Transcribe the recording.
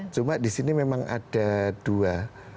cuma di sini memang ada dua